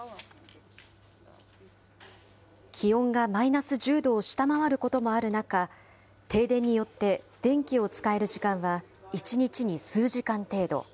気温がマイナス１０度を下回ることもある中、停電によって電気を使える時間は１日に数時間程度。